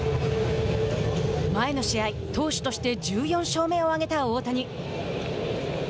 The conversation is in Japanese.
前の試合投手として１４勝目を挙げた大谷。